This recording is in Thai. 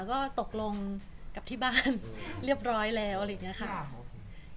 ก็ตกลงกับที่บ้านเรียบร้อยแล้วอะไรอย่างนี้ค่ะ